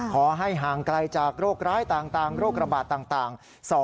ขอให้ห่างไกลจากโรคร้ายต่างโรคระบาดต่าง